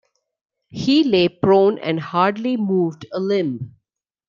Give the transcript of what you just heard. He lay prone and hardly moved a limb.